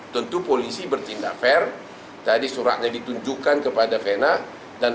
tentu polisi bertindak fair tadi suratnya ditunjukkan kepada vena dan